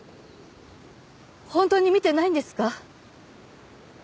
本当に見てないんですか？